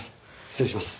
失礼します。